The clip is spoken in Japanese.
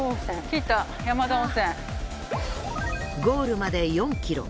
ゴールまで４ｋｍ。